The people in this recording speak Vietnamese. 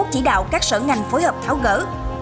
chỉ đạo các sở ngành phối hợp tháo gỡ